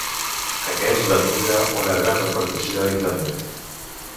Aquest va tindre una gran repercussió a internet.